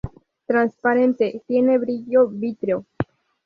Transparente, tiene brillo vítreo.